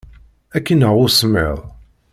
Ad k-ineɣ usemmiḍ.